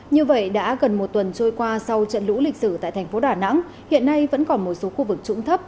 như vậy đã gần một tuần trôi qua sau trận lũ lịch sử tại thành phố đà nẵng hiện nay vẫn còn một số khu vực trũng thấp